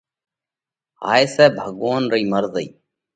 هائي سئہ ڀڳوونَ رئِي مرضئِي۔